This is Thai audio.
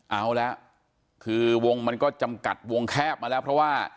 เอาละคือวงมันก็จำกัดวงแคบมาแล้วเพราะว่า